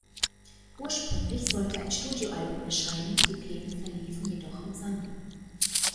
Ursprünglich sollte ein Studioalbum erscheinen, die Pläne verliefen jedoch im Sande.